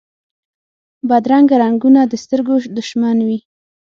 بدرنګه رنګونه د سترګو دشمن وي